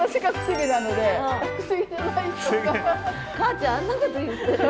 母ちゃんあんなこと言ってるよ。